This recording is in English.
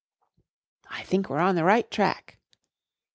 " 1 think we're on the right track."